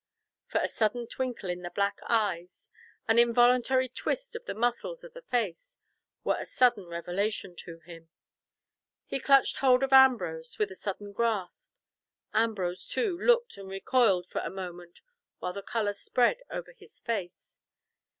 For a sudden twinkle in the black eyes, an involuntary twist of the muscles of the face, were a sudden revelation to him. He clutched hold of Ambrose with a sudden grasp; Ambrose too looked and recoiled for a moment, while the colour spread over his face.